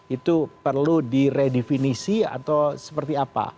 itu perlu diredefinisi atau seperti apa